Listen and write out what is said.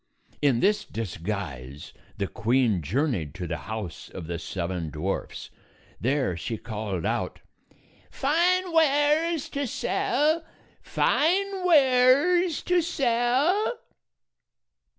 In this disguise the queen journeyed to the house of the seven dwarfs. There she called out, "Fine wares to sell! Fine wares to sell